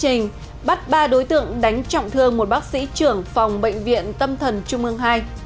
tiếng nói chương trình bắt ba đối tượng đánh trọng thương một bác sĩ trưởng phòng bệnh viện tâm thần trung ương hai